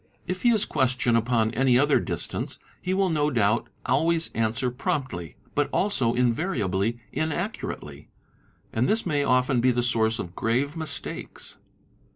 If he is questioned upon any other distance, he will no doubt always answer promptly but also invariably inaccurately ; and this ay often be the source of grave mistakes®®.